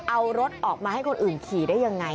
เอารถออกมาให้คนอื่นขี่ได้ยังไง